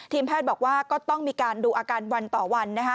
แพทย์บอกว่าก็ต้องมีการดูอาการวันต่อวันนะคะ